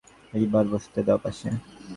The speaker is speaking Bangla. এইবার বসতে দাও পাশে।